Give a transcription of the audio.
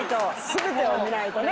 全てを見ないとねみんな。